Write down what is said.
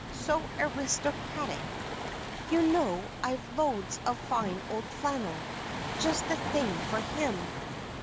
So aristocratic. You know I've loads of fine old flannel, just the thing for him."